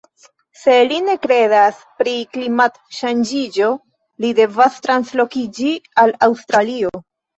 Se li ne kredas pri klimat-ŝanĝiĝo li devas translokiĝi al Aŭstralio